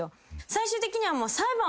最終的には。